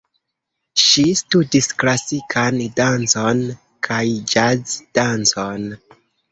Ŝi studis klasikan dancon kaj jazz-dancon.